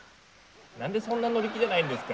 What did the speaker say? なんでそんな乗り気じゃないんですか？